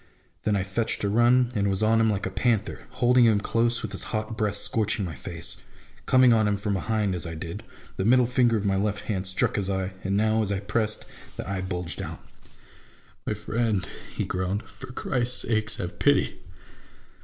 Then I fetched a run, and was on him like a panther, holding him close, with his hot breath scorching my face. Coming on him from behind, as I did, the middle finger of my left hand struck his eye, and now, as I pressed, the eye bulged out. MY ENEMY AND MYSELF. 69 " My friend," he groaned, "for Christ's sake, have pity